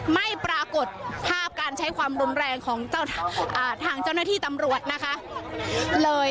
ไม่ปรากฏภาพการใช้ความรุนแรงของทางเจ้าหน้าที่ตำรวจนะคะ